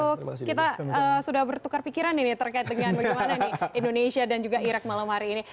betul kita sudah bertukar pikiran ini terkait dengan bagaimana nih indonesia dan juga irak malam hari ini